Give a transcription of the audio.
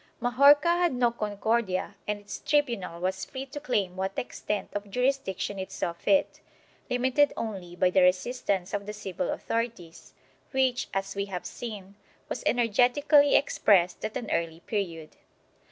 Majorca had no Concordia and its tribunal was free to claim what extent of jurisdiction it saw fit, limited only by the resist ance of the civil authorities, which, as we have seen, was energet ically expressed at an early period.